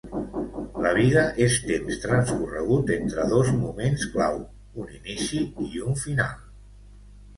La vida és temps transcorregut entre dos moments clau, un inici i un final.